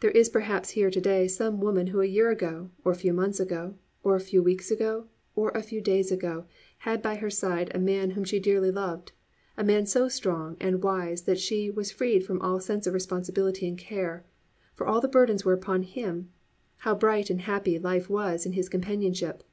There is perhaps here to day some woman who a year ago, or a few months ago, or a few weeks ago, or a few days ago, had by her side a man whom she dearly loved, a man so strong and wise that she was freed from all sense of responsibility and care; for all the burdens were upon him, and how bright and happy life was in his companionship!